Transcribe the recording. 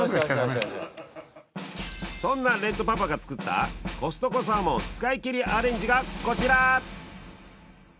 そんなレッドパパが作ったコストコサーモン使い切りアレンジがこちら！